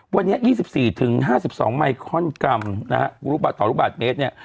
วันนี้๒๔๕๒ไมค์คอนกรัมต่อลูกบาทเมตร